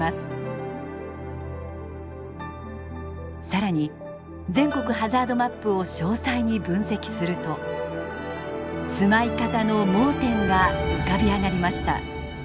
更に全国ハザードマップを詳細に分析すると住まい方の盲点が浮かび上がりました。